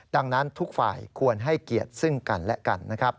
ดังนั้นทุกฝ่ายควรให้เกียรติซึ่งกันและกันนะครับ